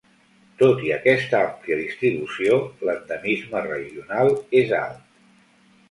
Tot i aquesta àmplia distribució, l'endemisme regional és alt.